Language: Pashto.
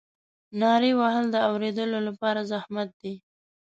نارې وهل د اورېدلو لپاره زحمت دی.